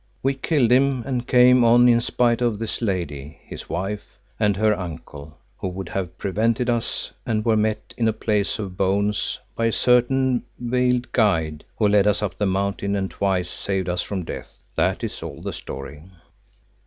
We killed him and came on in spite of this lady, his wife, and her uncle, who would have prevented us, and were met in a Place of Bones by a certain veiled guide, who led us up the Mountain and twice saved us from death. That is all the story."